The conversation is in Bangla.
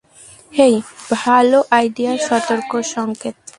হেই, ভালো আইডিয়ার সতর্ক সংকেত।